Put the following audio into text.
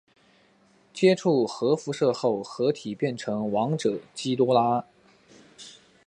接触核辐射后合体变成王者基多拉。